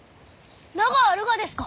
名があるがですか！？